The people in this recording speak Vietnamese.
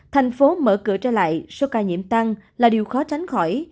thành phố mở cửa trở lại số ca nhiễm tăng là điều khó tránh khỏi